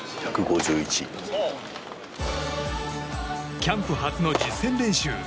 キャンプ初の実戦練習。